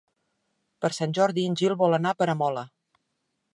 Per Sant Jordi en Gil vol anar a Peramola.